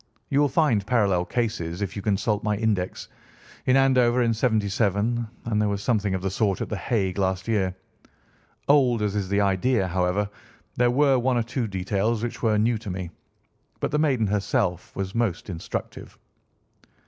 You will find parallel cases, if you consult my index, in Andover in '77, and there was something of the sort at The Hague last year. Old as is the idea, however, there were one or two details which were new to me. But the maiden herself was most instructive."